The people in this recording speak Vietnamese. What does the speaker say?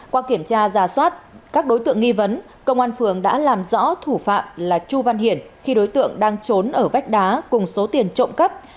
qua kiểm tra giả soát các đối tượng nghi vấn công an phường đã làm rõ thủ phạm là chu văn hiển khi đối tượng đang trốn ở vách đá cùng số tiền trộm cắp